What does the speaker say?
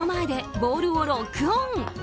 目の前でボールをロックオン。